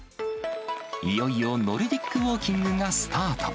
いよいよノルディックウォーキングがスタート。